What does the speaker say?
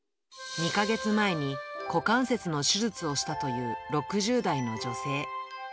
２か月前に股関節の手術をしたという６０代の女性。